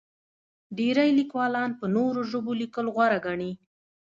ډېری لیکوالان په نورو ژبو لیکل غوره ګڼي.